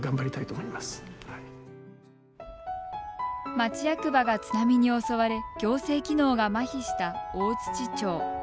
町役場が津波に襲われ行政機能がまひした大槌町。